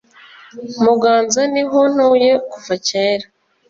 muganza niho ntuye kuva kera